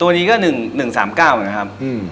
ตัวนี้ก็๑๓๙บาท